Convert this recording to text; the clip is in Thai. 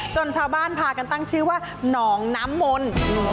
ชาวบ้านพากันตั้งชื่อว่าหนองน้ำมนต์